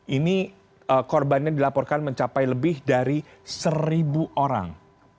ini korbannya dilaporkan mencapai lebih dari seribu orang